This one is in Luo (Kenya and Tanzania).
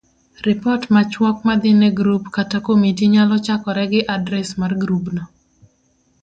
Ripot machuok madhine grup kata komiti nyalo chakore gi adres mar grubno.